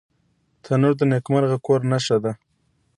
تنور د نیکمرغه کور نښه ده